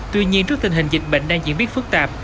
tuy nhiên trước tình hình dịch bệnh đang diễn biến phức tạp